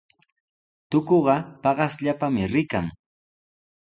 Tukuqa paqasllapami rikan.